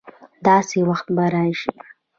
داسي وخت به راشي